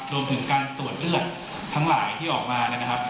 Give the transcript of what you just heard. รวมถึงการตรวจเลือดทั้งหลายที่ออกมานะครับ